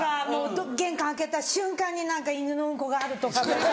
玄関開けた瞬間に何か犬のウンコがあるとか。